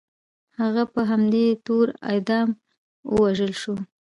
هغه په همدې تور اعدام او ووژل شو.